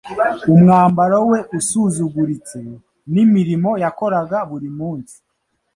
umwambaro we usuzuguritse, n’imirimo yakoraga buri munsi